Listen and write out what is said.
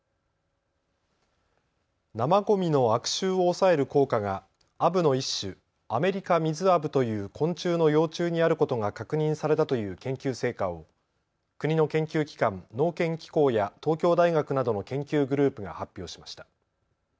生ごみの悪臭を抑える効果がアブの一種、アメリカミズアブという昆虫の幼虫にあることが確認されたという研究成果を国の研究機関、農研機構や東京大学などの研究グループが発表しました。